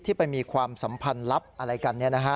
ไปมีความสัมพันธ์ลับอะไรกัน